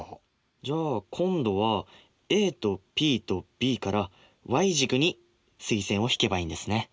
じゃあ今度はＡとＰとＢからｙ軸に垂線を引けばいいんですね。